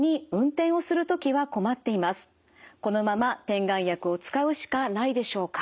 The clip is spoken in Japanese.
このまま点眼薬を使うしかないでしょうか？